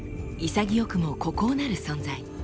潔くも孤高なる存在。